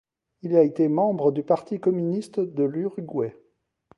Il a été membre du Parti communiste de l'Uruguay.